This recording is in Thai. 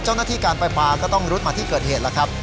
เจ้าหน้าที่การไฟฟ้าก็ต้องรุดมาที่เกิดเหตุแล้วครับ